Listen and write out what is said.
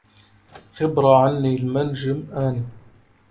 خبرا عني المنجم أني